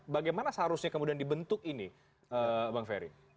bagaimana seharusnya kemudian dibentuk ini bang ferry